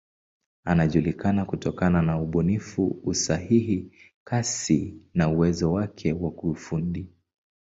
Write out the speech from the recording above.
Anajulikana kutokana na ubunifu, usahihi, kasi na uwezo wake wa kiufundi.